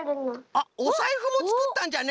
あっおさいふもつくったんじゃね。